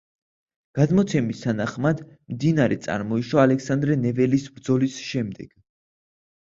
გადმოცემის თანახმად, მდინარე წარმოიშვა ალექსანდრე ნეველის ბრძოლის შემდეგ.